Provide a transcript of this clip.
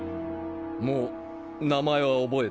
もう名前は覚えたか？